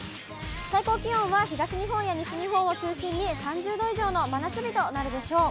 最高気温は東日本や西日本を中心に３０度以上の真夏日となるでしょう。